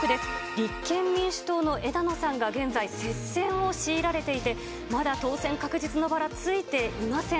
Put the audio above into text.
立憲民主党の枝野さんが現在、接戦を強いられていて、まだ当選確実のバラ、ついていません。